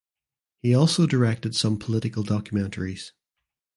He also directed some political documentaries.